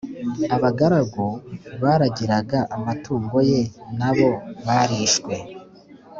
Abagaragu baragiraga amatungo ye na bo barishwe